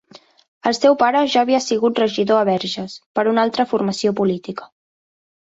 El seu pare ja havia sigut regidor a Verges, per una altra formació política.